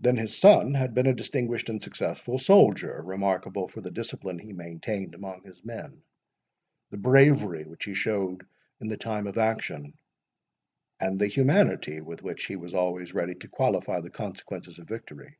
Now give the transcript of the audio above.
Then his son had been a distinguished and successful soldier, remarkable for the discipline he maintained among his men, the bravery which he showed in the time of action, and the humanity with which he was always ready to qualify the consequences of victory.